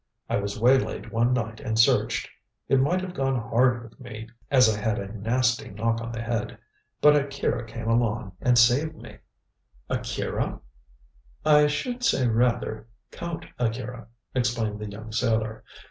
I was waylaid one night and searched. It might have gone hard with me, as I had a nasty knock on the head. But Akira came along and saved me." "Akira?" "I should rather say Count Akira," explained the young sailor.